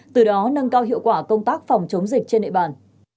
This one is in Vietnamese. từ đó nâng cao hiệu quả công tác phòng chống dịch trên địa bàn